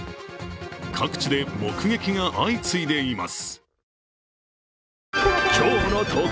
各地で目撃が相次いでいます。